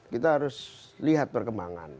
kita harus lihat perkembangan